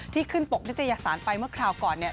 ที่ขึ้นปกที่จะยักษานไปเมื่อคราวก่อนเนี่ย